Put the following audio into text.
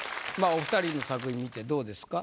お二人の作品見てどうですか？